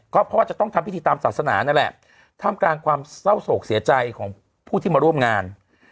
ก็เพราะว่าจะต้องทำพิธีตามศาสนานั่นแหละท่ามกลางความเศร้าโศกเสียใจของผู้ที่มาร่วมงาน